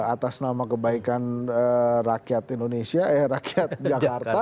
atas nama kebaikan rakyat indonesia eh rakyat jakarta